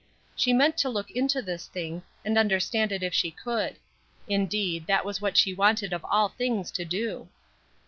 She meant to look into this thing, and understand it if she could. Indeed, that was what she wanted of all things to do.